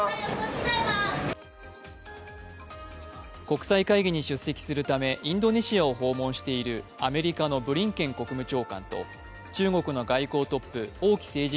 国際会議に出席するため、インドネシアを訪問しているアメリカのブリンケン国務長官と中国の外交トップ王毅政治